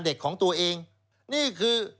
เด็กของตัวเองนี่คือ